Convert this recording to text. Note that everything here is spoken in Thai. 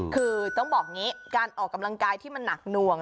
คือต้องบอกอย่างนี้การออกกำลังกายที่มันหนักหน่วง